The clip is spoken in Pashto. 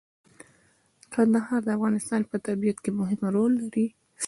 کندهار د افغانستان په طبیعت کې مهم رول لري.